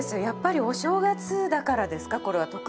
やっぱりお正月だからですかこれは？